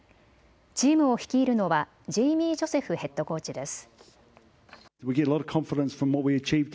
チームを率いるのはジェイミー・ジョセフヘッドコーチです。